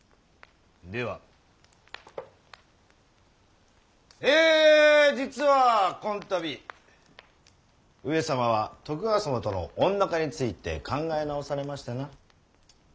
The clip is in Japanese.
ではえ実はこん度上様は徳川様とのおん仲について考え直されましてな。